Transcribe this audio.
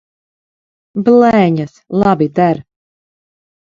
Blēņas! Labi der.